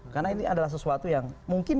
karena ini adalah sesuatu yang mungkin